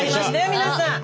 皆さん。